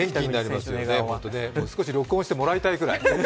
すこし録音してもらいたいぐらい。